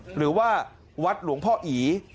หรือว่าวัดหลวงพ่ออี